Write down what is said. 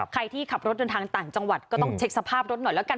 ใครที่ขับรถเดินทางต่างจังหวัดก็ต้องเช็คสภาพรถหน่อยแล้วกัน